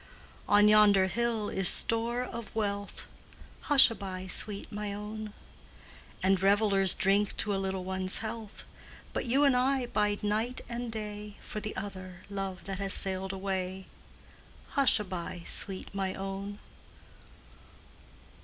On yonder hill is store of wealth Hushaby, sweet my own! And revellers drink to a little one's health; But you and I bide night and day For the other love that has sailed away Hushaby, sweet my own!